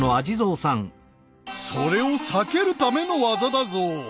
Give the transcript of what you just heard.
それを避けるためのワザだゾウ！